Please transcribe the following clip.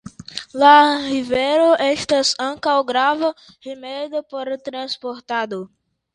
La rivero estas ankaŭ grava rimedo por transportado.